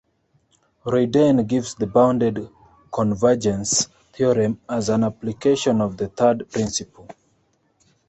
Royden gives the bounded convergence theorem as an application of the third principle.